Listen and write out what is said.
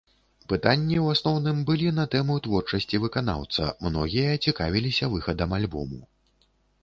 Пытанні ў асноўным былі на тэму творчасці выканаўца, многія цікавіліся выхадам альбому.